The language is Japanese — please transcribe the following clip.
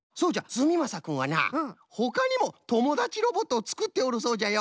すみまさくんはなほかにもともだちロボットをつくっておるそうじゃよ。